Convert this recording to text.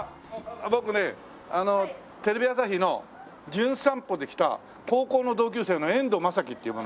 僕ねテレビ朝日の『じゅん散歩』で来た高校の同級生のエンドウマサキっていう者なんだけど。